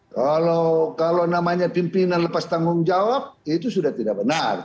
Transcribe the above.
kalau namanya pimpinan lepas tanggung jawab itu sudah tidak benar